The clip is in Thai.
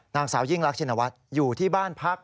นางสาวยิ่งรักชินวัฒน์อยู่ที่บ้านพัก